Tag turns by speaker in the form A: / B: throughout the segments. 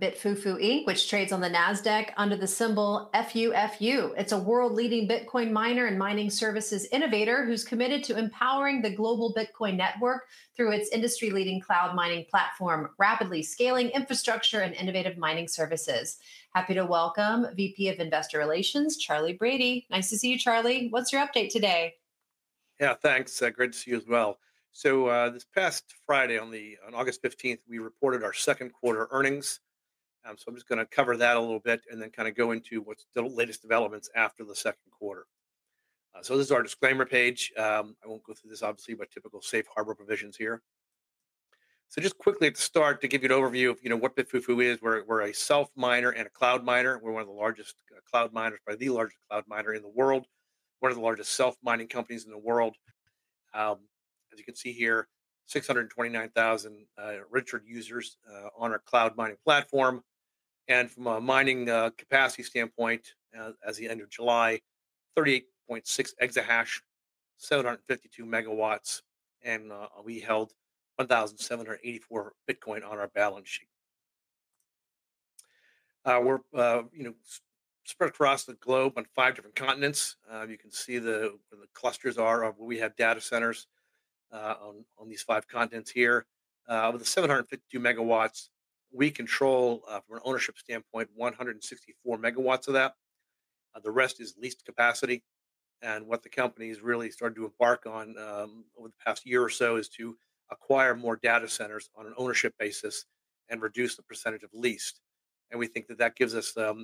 A: BitFuFu Inc which trades on the NASDAQ under the symbol FUFU. It's a world-leading Bitcoin miner and mining services innovator who's committed to empowering the global Bitcoin network through its industry-leading cloud mining platform, rapidly scaling infrastructure, and innovative mining services. Happy to welcome VP of Investor Relations, Charley Brady. Nice to see you, Charley. What's your update today?
B: Yeah, thanks. Great to see you as well. This past Friday on August 15, we reported our second quarter earnings. I'm just going to cover that a little bit and then kind of go into what's the latest developments after the second quarter. This is our disclaimer page. I won't go through this, obviously, but typical safe harbor provisions here. Just quickly at the start to give you an overview of what BitFuFu is. We're a self-miner and a cloud miner. We're one of the largest cloud miners, probably the largest cloud miner in the world, and one of the largest self-mining companies in the world. As you can see here, 629,000 registered users on our cloud mining platform. From a mining capacity standpoint, as of the end of July, 38.6 exahash, 752 MW, and we held 1,784 Bitcoin on our balance sheet. We're spread across the globe on five different continents. You can see the clusters are where we have data centers on these five continents here. Of the 752 megawatts, we control, from an ownership standpoint, 164 MW of that. The rest is leased capacity. What the company's really started to embark on over the past year or so is to acquire more data centers on an ownership basis and reduce the percentage of leased. We think that gives us a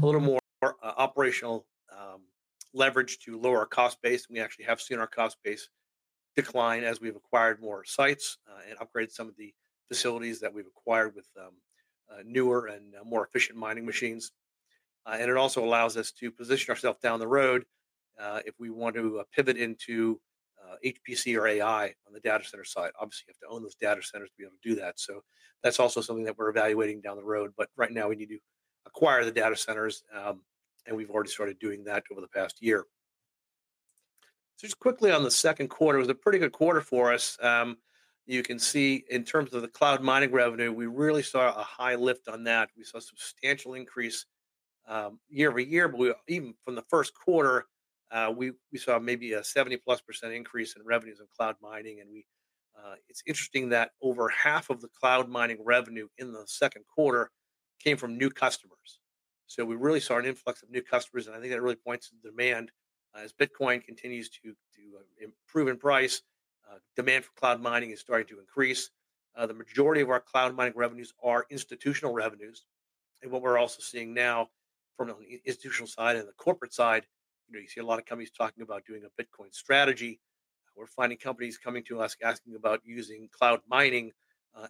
B: little more operational leverage to lower our cost base. We actually have seen our cost base decline as we've acquired more sites and upgraded some of the facilities that we've acquired with newer and more efficient mining machines. It also allows us to position ourselves down the road if we want to pivot into EPC or AI on the data center side. Obviously, you have to own those data centers to be able to do that. That's also something that we're evaluating down the road. Right now, we need to acquire the data centers, and we've already started doing that over the past year. Just quickly on the second quarter, it was a pretty good quarter for us. You can see in terms of the cloud mining revenue, we really saw a high lift on that. We saw a substantial increase year over year. Even from the first quarter, we saw maybe a 70+% increase in revenues in cloud mining. It's interesting that over half of the cloud mining revenue in the second quarter came from new customers. We really saw an influx of new customers, and I think that really points to the demand. As Bitcoin continues to improve in price, demand for cloud mining is starting to increase. The majority of our cloud mining revenues are institutional revenues. What we're also seeing now from the institutional side and the corporate side, you know, you see a lot of companies talking about doing a Bitcoin strategy. We're finding companies coming to us asking about using cloud mining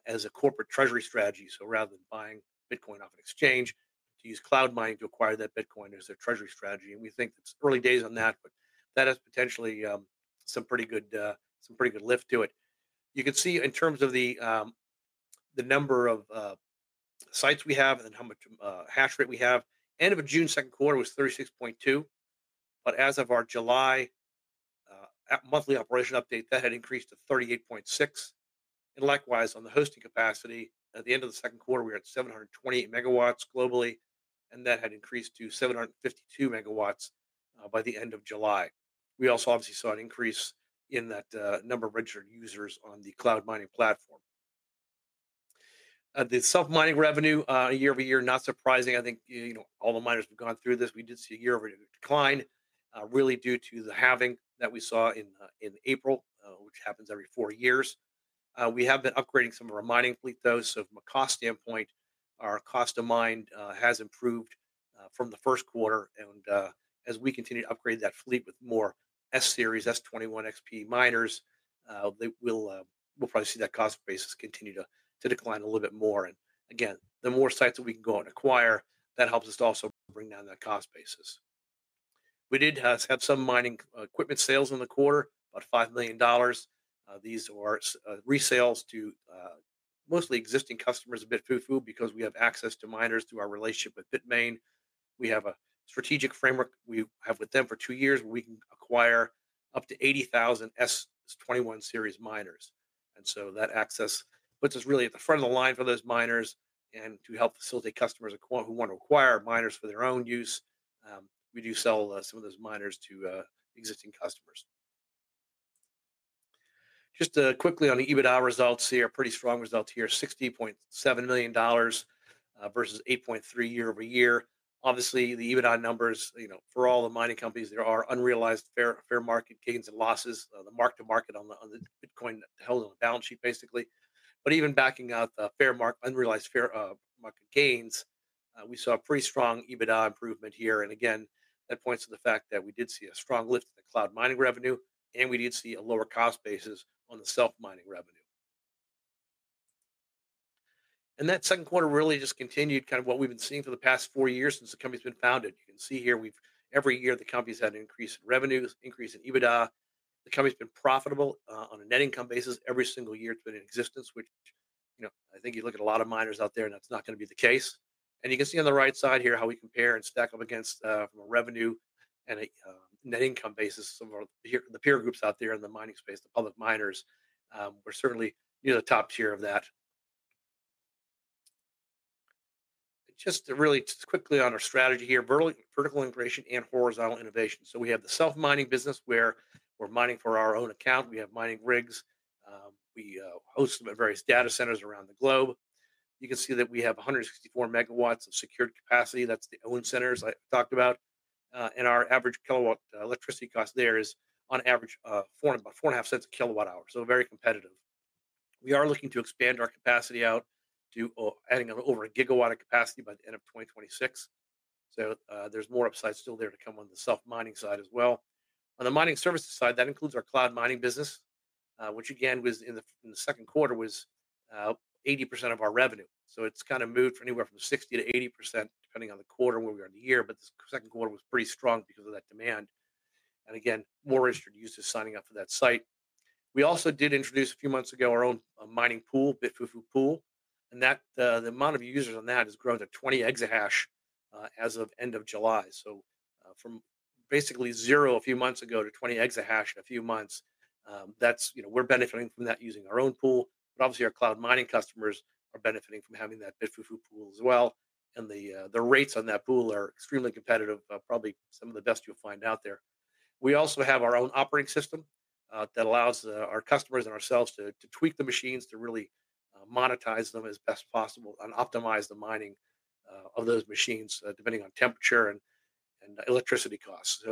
B: as a corporate treasury strategy. Rather than buying Bitcoin off an exchange, to use cloud mining to acquire that Bitcoin as a treasury strategy. We think it's early days on that, but that has potentially some pretty good lift to it. You can see in terms of the number of sites we have and then how much hash rate we have, end of June, second quarter was 36.2. As of our July monthly operation update, that had increased to 38.6. Likewise, on the hosting capacity, at the end of the second quarter, we had 728 megawatts globally. That had increased to 752 MW by the end of July. We also obviously saw an increase in that number of registered users on the cloud mining platform. The self-mining revenue year over year, not surprising. I think, you know, all the miners have gone through this. We did see a year-over-year decline really due to the halving that we saw in April, which happens every four years. We have been upgrading some of our mining fleet, though from a cost standpoint, our cost to mine has improved from the first quarter. As we continue to upgrade that fleet with more S-series, S21 XP miners, we'll probably see that cost basis continue to decline a little bit more. The more sites that we can go out and acquire, that helps us to also bring down that cost basis. We did have some mining equipment sales in the quarter, about $5 million. These are resales to mostly existing customers of BitFuFu because we have access to miners through our relationship with Bitmain. We have a strategic framework we have with them for two years. We can acquire up to 80,000 S21 series miners. That access puts us really at the front of the line for those miners. To help facilitate customers who want to acquire miners for their own use, we do sell some of those miners to existing customers. Just quickly on the EBITDA results, see our pretty strong results here, $60.7 million versus $8.3 million year over year. Obviously, the EBITDA numbers, you know, for all the mining companies, there are unrealized fair market gains and losses, the mark-to-market on the Bitcoin held on the balance sheet, basically. Even backing out the unrealized fair market gains, we saw a pretty strong EBITDA improvement here. That points to the fact that we did see a strong lift in the cloud mining revenue. We did see a lower cost basis on the self-mining revenue. That second quarter really just continued kind of what we've been seeing for the past four years since the company's been founded. You can see here, every year, the company's had an increase in revenue, increase in EBITDA. The company's been profitable on a net income basis every single year it's been in existence, which, you know, I think you look at a lot of miners out there and that's not going to be the case. You can see on the right side here how we compare and stack up against, from a revenue and a net income basis, some of the peer groups out there in the mining space, the public miners. We're certainly near the top tier of that. Just really quickly on our strategy here, vertical integration and horizontal innovation. We have the self-mining business where we're mining for our own account. We have mining rigs. We host them at various data centers around the globe. You can see that we have 164 MW of secured capacity. That's the own centers I talked about. Our average kilowatt electricity cost there is on average about $0.045 kW hour, so very competitive. We are looking to expand our capacity out to adding over a gigawatt of capacity by the end of 2026. There's more upside still there to come on the self-mining side as well. On the mining services side, that includes our cloud mining business, which again in the second quarter was 80% of our revenue. It's kind of moved anywhere from 60%-80% depending on the quarter where we are in the year. The second quarter was pretty strong because of that demand. More registered users are signing up for that site. We also did introduce a few months ago our own mining pool, BitFuFu Pool. The amount of users on that has grown to 20 EH as of end of July. From basically zero a few months ago to 20 EH in a few months, we're benefiting from that using our own pool. Obviously, our cloud mining customers are benefiting from having that BitFuFu Pool as well. The rates on that pool are extremely competitive, probably some of the best you'll find out there. We also have our own operating system that allows our customers and ourselves to tweak the machines to really monetize them as best possible and optimize the mining of those machines depending on temperature and electricity costs.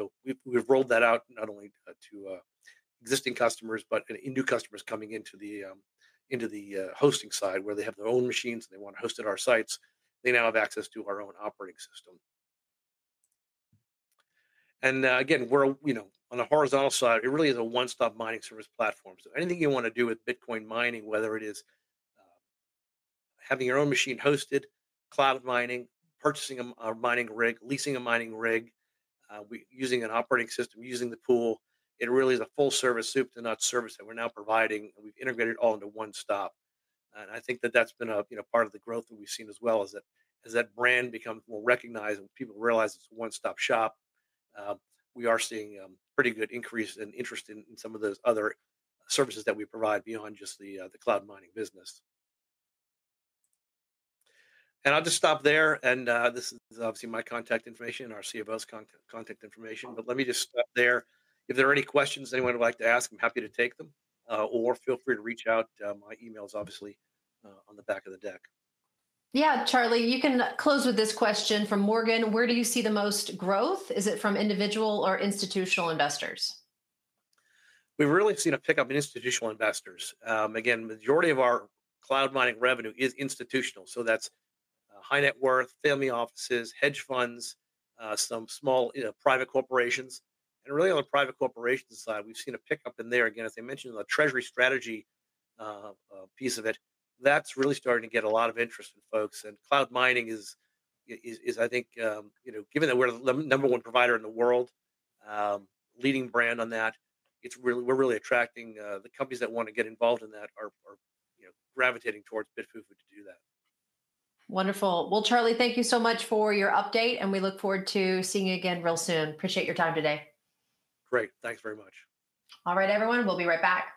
B: We've rolled that out not only to existing customers, but new customers coming into the hosting side where they have their own machines and they want to host at our sites. They now have access to our own operating system. On the horizontal side, it really is a one-stop mining service platform. Anything you want to do with Bitcoin mining, whether it is having your own machine hosted, cloud mining, purchasing a mining rig, leasing a mining rig, using an operating system, using the pool, it really is a full-service soup-to-nuts service that we're now providing. We've integrated it all into one stop. I think that that's been a part of the growth that we've seen as well, as that brand becomes more recognized and people realize it's a one-stop shop. We are seeing a pretty good increase in interest in some of those other services that we provide beyond just the cloud mining business. I'll just stop there. This is obviously my contact information and our CFO's contact information. Let me just stop there. If there are any questions anyone would like to ask, I'm happy to take them or feel free to reach out. My email is obviously on the back of the deck.
A: Yeah, Charley, you can close with this question from Morgan. Where do you see the most growth? Is it from individual or institutional investors?
B: We've really seen a pickup in institutional investors. The majority of our cloud mining revenue is institutional. That's high net worth, family offices, hedge funds, some small private corporations. On the private corporations side, we've seen a pickup there. The treasury strategy piece of it is really starting to get a lot of interest from folks. Cloud mining is, I think, given that we're the number one provider in the world, leading brand on that, we're really attracting the companies that want to get involved in that and are gravitating towards BitFuFu to do that.